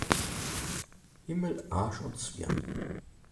Himmel, Arsch und Zwirn!